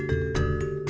ngitung bareng bareng ya